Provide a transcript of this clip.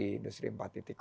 ya ada yang berpikir pikir